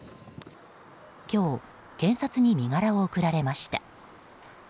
今日、検察に身柄を送られました。